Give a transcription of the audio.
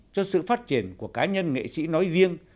cho sự phát triển của cá nhân nghệ sĩ nói riêng